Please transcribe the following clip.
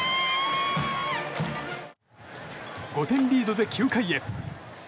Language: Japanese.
５点リードで９回へ。